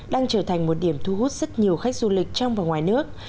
đang trở thành một điểm thu hút rất nhiều khách du lịch trong và ngoài nước